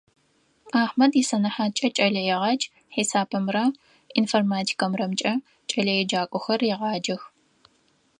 Ахьмэд исэнэхьаткӀэ кӀэлэегъадж, хьисапымрэ информатикэмрэкӀэ кӀэлэеджакӀохэр регъаджэх.